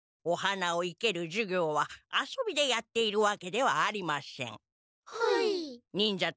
お花を生ける授業は遊びでやっているわけではありません。